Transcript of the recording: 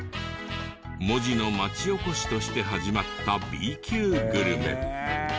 門司の町おこしとして始まったＢ級グルメ。